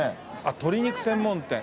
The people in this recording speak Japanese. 鶏肉専門店うわ。